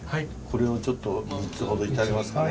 これをちょっと３つほど頂けますか？